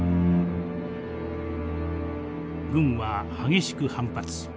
軍は激しく反発。